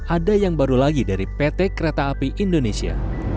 ada yang baru lagi dari pt kereta api indonesia